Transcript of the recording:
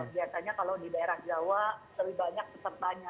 biasanya kalau di daerah jawa lebih banyak pesertanya